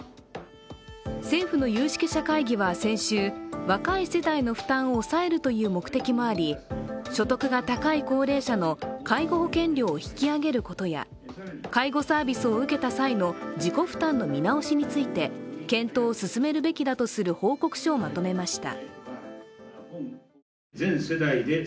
政府の有識者会議は先週、若い世代の負担を抑えるという目的もあり目的もあり、所得が高い高齢者の介護保険料を引き上げることや介護サービスを受けた際の自己負担の見直しについて検討を進めるべきだとする報告書をまとめました。